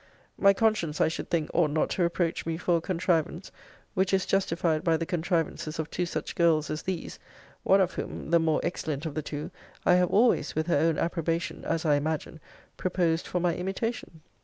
My conscience, I should think, ought not to reproach me for a contrivance, which is justified by the contrivances of two such girls as these: one of whom (the more excellent of the two) I have always, with her own approbation, as I imagine, proposed for my imitation.